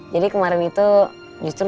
jadi kemarin itu justru